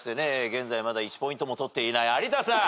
現在まだ１ポイントも取っていない有田さん。